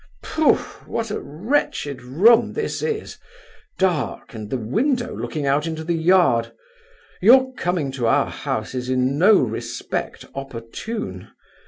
"Pfu! what a wretched room this is—dark, and the window looking into the yard. Your coming to our house is, in no respect, opportune.